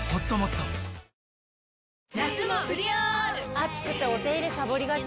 暑くてお手入れさぼりがち。